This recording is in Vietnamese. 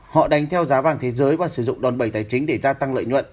họ đánh theo giá vàng thế giới và sử dụng đòn bầy tài chính để gia tăng lợi nhuận